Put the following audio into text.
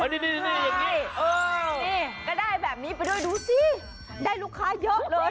มอลำคลายเสียงมาแล้วมอลำคลายเสียงมาแล้ว